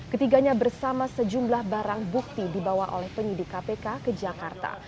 ketiganya bersama sejumlah barang bukti dibawa oleh penyidik kpk ke jakarta